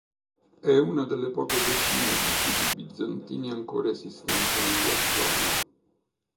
È una delle poche decine di siti bizantini ancora esistenti nella zona.